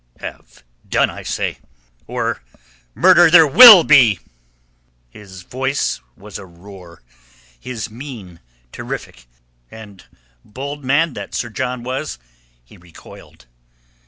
"Have done, I say, or murder there will be!" His voice was a roar, his mien terrific. And bold man though Sir John was, he recoiled.